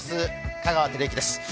香川照之です。